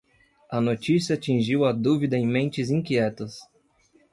A notícia atingiu a dúvida em mentes inquietas.